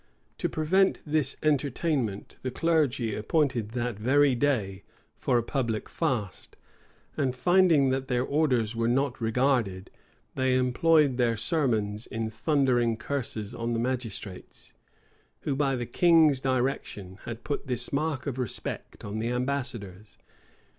To prevent this entertainment, the clergy appointed that very day for a public fast; and finding that their orders were not regarded, they employed their sermons in thundering curses on the magistrates, who, by the king's direction, had put this mark of respect on the ambassadors.